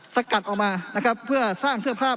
สักฎออกมานะครับเพื่อสร้างเมืองเสื้อผ้า